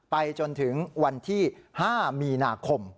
ไปจนถึงวันที่๕มีนาคม